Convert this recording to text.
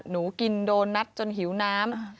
หนูกินโดนัทจนหิวน้ำ